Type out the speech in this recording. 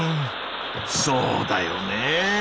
そうだよねぇ！